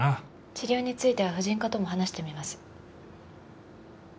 治療については婦人科とも話してみます。